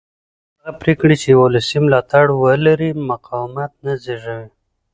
هغه پرېکړې چې ولسي ملاتړ ولري مقاومت نه زېږوي